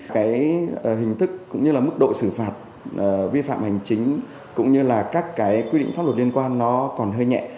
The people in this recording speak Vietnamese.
cái hình thức cũng như là mức độ xử phạt vi phạm hành chính cũng như là các cái quy định pháp luật liên quan nó còn hơi nhẹ